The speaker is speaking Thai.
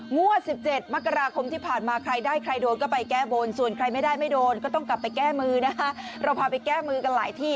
งวด๑๗มกราคมที่ผ่านมาใครได้ใครโดนก็ไปแก้บนส่วนใครไม่ได้ไม่โดนก็ต้องกลับไปแก้มือนะคะเราพาไปแก้มือกันหลายที่